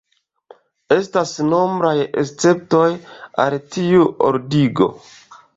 Estas nombraj esceptoj al tiu ordigo.